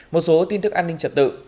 một số tin thức an ninh trật tự